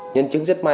nhân chứng rất mạnh